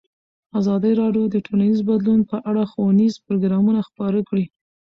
ازادي راډیو د ټولنیز بدلون په اړه ښوونیز پروګرامونه خپاره کړي.